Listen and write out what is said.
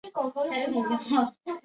杨屋道市政大厦主持开幕典礼。